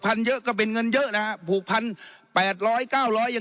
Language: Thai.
เยอะก็เป็นเงินเยอะนะฮะผูกพันแปดร้อยเก้าร้อยยัง